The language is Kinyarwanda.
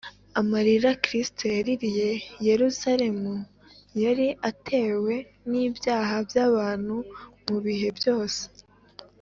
amarira kristo yaririye yerusalemu yari ayatewe n’ibyaha by’abantu mu bihe byose